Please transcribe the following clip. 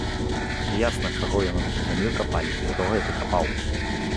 Ясна, чаго яны тут зямлю капалі і хто гэта капаў.